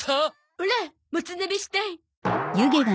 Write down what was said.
オラもつなべしたい。